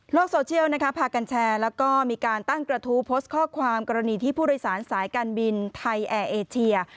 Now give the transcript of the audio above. โซเชียลพากันแชร์แล้วก็มีการตั้งกระทู้โพสต์ข้อความกรณีที่ผู้โดยสารสายการบินไทยแอร์เอเชีย